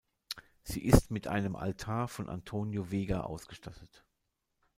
Sie ist mit einem Altar von Antonio Vega ausgestattet.